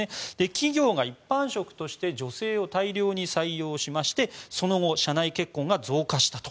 企業が一般職として女性を大量に採用しましてその後、社内結婚が増加したと。